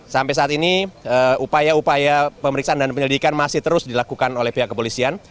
dan saat ini upaya upaya pemeriksaan dan penyelidikan masih terus dilakukan oleh pihak kepolisian